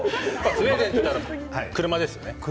スウェーデンっていったら車ですよね。